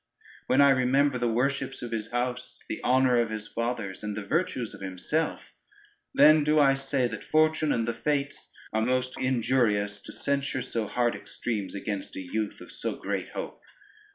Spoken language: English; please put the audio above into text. When I remember the worships of his house, the honor of his fathers, and the virtues of himself, then do I say, that fortune and the fates are most injurious, to censure so hard extremes, against a youth of so great hope.